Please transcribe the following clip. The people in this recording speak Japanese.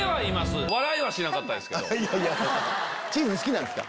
チーズ好きなんですか？